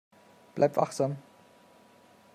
Bleib wachsam.